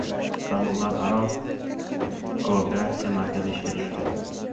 Tarmoqlararo kooperatsiya markazi ishga tushdi